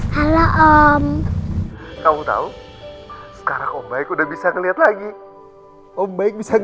halo om kamu tahu sekarang baik udah bisa lihat lagi om baik bisa